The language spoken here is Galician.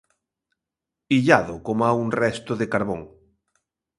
Illado coma un resto de carbón.